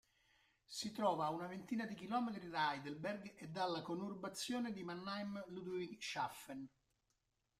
Si trova ad una ventina di km da Heidelberg e dalla conurbazione di Mannheim-Ludwigshafen.